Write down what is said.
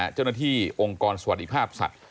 เจ้าหน้าที่องค์กรสวัสดิภาพสัตว